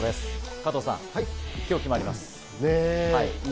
加藤さん、今日決まります。